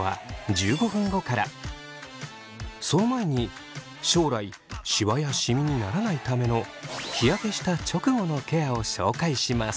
その前に将来シワやシミにならないための日焼けした直後のケアを紹介します。